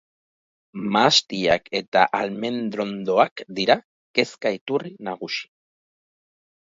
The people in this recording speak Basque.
Mahastiak eta almendrondoak dira kezka iturri nagusi.